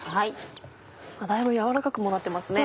だいぶ軟らかくもなってますね。